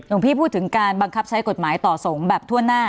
หลวงพี่พูดถึงการบังคับใช้กฎหมายต่อสงฆ์แบบทั่วหน้า